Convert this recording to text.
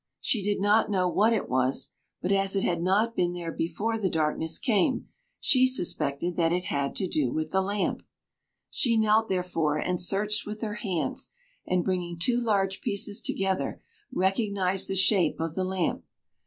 She did not know what it was, but, as it had not been there before the darkness came, she suspected that it had to do with the lamp. She knelt, therefore, and searched with her hands, and bringing two large pieces together, recognized the shape of the lamp.